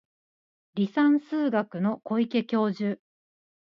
離散数学の小池教授